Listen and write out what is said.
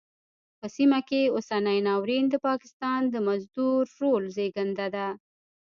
په سیمه کې اوسنی ناورین د پاکستان د مزدور رول زېږنده ده.